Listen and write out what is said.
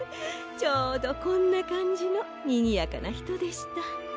ちょうどこんなかんじのにぎやかなひとでした。